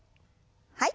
はい。